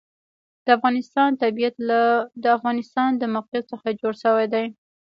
د افغانستان طبیعت له د افغانستان د موقعیت څخه جوړ شوی دی.